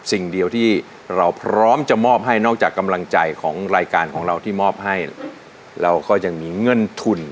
สิ่งเดียวที่เราพร้อมจะมอบให้นอกจากกำลังใจของรายการของเราที่มอบให้เราก็ยังมีเงินทุน